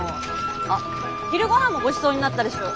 あっ昼ごはんもごちそうになったでしょ？